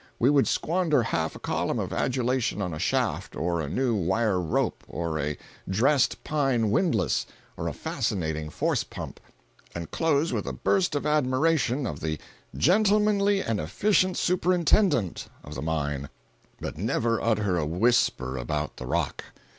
We would squander half a column of adulation on a shaft, or a new wire rope, or a dressed pine windlass, or a fascinating force pump, and close with a burst of admiration of the "gentlemanly and efficient Superintendent" of the mine—but never utter a whisper about the rock.